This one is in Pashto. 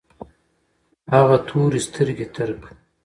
هغه تورې سترګې ترکه